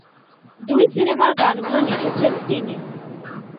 দুই সিনেমার গানগুলো লিখেছেন তিনি।